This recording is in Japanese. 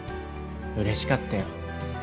うれしかったよ。